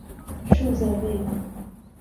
Chuza vyema